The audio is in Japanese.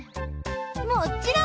もっちろん！